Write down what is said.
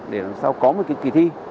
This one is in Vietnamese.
để làm sao có một cái kỳ thi